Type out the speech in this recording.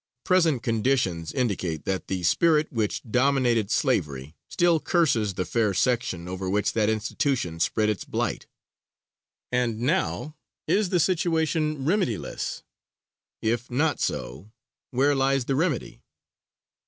Present conditions indicate that the spirit which dominated slavery still curses the fair section over which that institution spread its blight. And now, is the situation remediless? If not so, where lies the remedy?